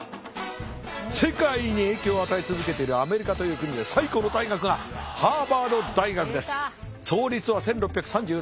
世界に影響を与え続けているアメリカという国で最高の大学が創立は１６３６年。